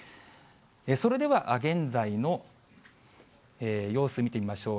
それでは、現在の様子見てみましょう。